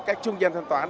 các trung gian thanh toán